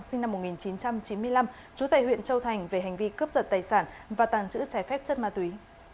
sinh năm một nghìn chín trăm chín mươi năm chú tài huyện châu thành về hành vi cướp giật tài sản và tàn trữ trái phép chất ma túy